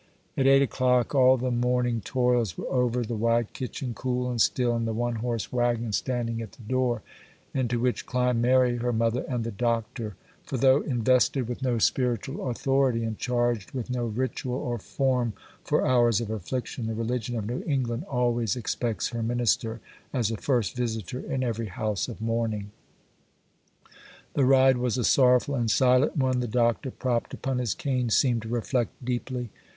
At eight o'clock all the morning toils were over, the wide kitchen cool and still, and the one horse waggon standing at the door, into which climbed Mary, her mother, and the Doctor, for, though invested with no spiritual authority, and charged with no ritual or form for hours of affliction, the religion of New England always expects her minister as a first visitor in every house of mourning. The ride was a sorrowful and silent one. The Doctor, propped upon his cane, seemed to reflect deeply.